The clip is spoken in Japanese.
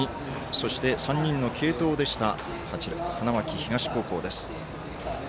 そして、３人の継投でした花巻東高校です。